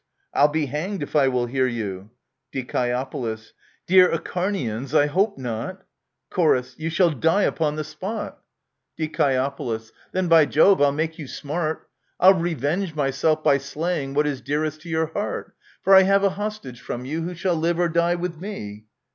I'll be hanged if I will hear you ! Die. Dear Acharnians, I hope not ! Chor. You shall die upon the spot ! Die. Then, by Jove, I'll make you smart ! I'll revenge myself by slaying what is dearest to your heart ; For I have a hostage from you, who shall live or die with me.